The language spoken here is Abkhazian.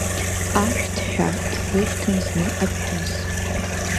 Ашәҭ ҳәа илышьҭан зны Аԥҳәыс.